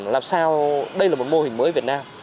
làm sao đây là một mô hình mới việt nam